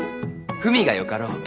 文がよかろう。